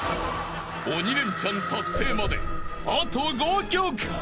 ［鬼レンチャン達成まであと５曲］